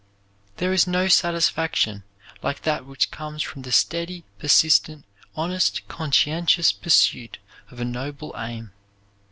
There is no satisfaction like that which comes from the steady, persistent, honest, conscientious pursuit of a noble aim.